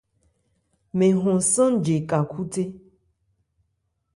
Mɛn hɔn sánje ka khúthé.